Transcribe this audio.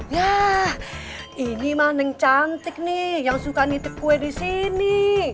yah ini mah neng cantik nih yang suka nitip kue di sini